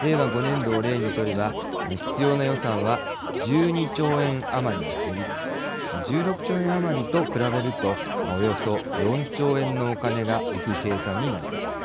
令和５年度を例にとれば必要な予算は１２兆円余りに減り１６兆円余りと比べるとおよそ４兆円のお金が浮く計算になります。